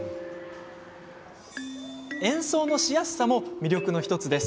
演奏のしやすさも魅力の１つです。